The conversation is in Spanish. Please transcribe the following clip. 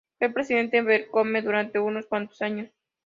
Fue presidente de Welcome durante unos cuantos años.